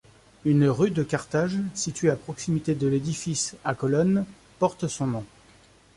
Une rue de Carthage, située à proximité de l'édifice à colonnes, porte son nom.